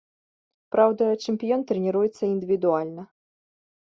Праўда, чэмпіён трэніруецца індывідуальна.